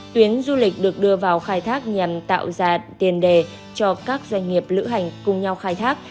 tuyến du lịch được đưa vào khai thác nhằm tạo ra tiền đề cho các doanh nghiệp lữ hành cùng nhau khai thác